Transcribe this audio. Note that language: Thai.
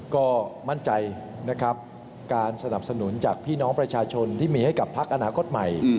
ก็มั่นใจนะครับการสนับสนุนจากพี่น้องประชาชนที่มีให้กับพักอนาคตใหม่